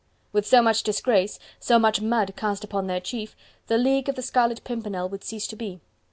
With so much disgrace, so much mud cast upon their chief, the League of the Scarlet Pimpernel would cease to be.